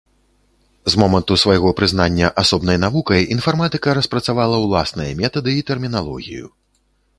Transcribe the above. З моманту свайго прызнання асобнай навукай інфарматыка распрацавала ўласныя метады і тэрміналогію.